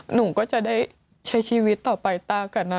หนูก็จะได้ใช้ชีวิตต่อไปตากันนะ